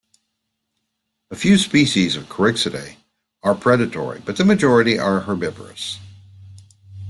A few species of Corixidae are predatory, but the majority are herbivorous.